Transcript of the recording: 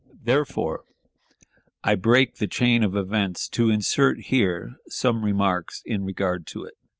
Therefore I break the chain of events to insert here some remarks in regard to it.